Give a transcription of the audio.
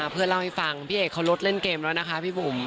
เพื่อนเล่าให้ฟังพี่เอกเขาลดเล่นเกมแล้วนะคะพี่บุ๋ม